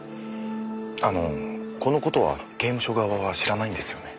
あのこのことは刑務所側は知らないんですよね？